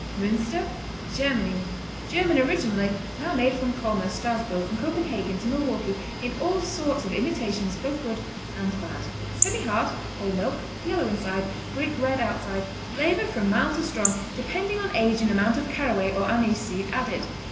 Münster Germany German originally, now made from Colmar, Strassburg and Copenhagen to Milwaukee in all sorts of imitations, both good and bad. Semihard; whole milk; yellow inside, brick red outside; flavor from mild to strong, depending on age and amount of caraway or anise seed added.